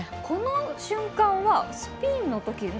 この瞬間はスピンのとき。